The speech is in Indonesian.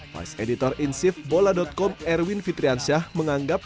vice editor insif bola com erwin fitriansyah menganggap